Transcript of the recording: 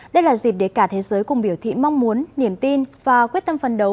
đây là dịp để cả thế giới cùng biểu thị mong muốn niềm tin và quyết tâm phân đấu